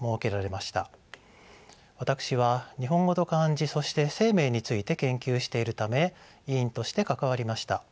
私は日本語と漢字そして姓名について研究しているため委員として関わりました。